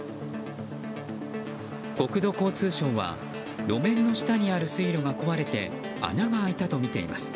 国土交通省は路面の下にある水路が壊れて穴が開いたとみています。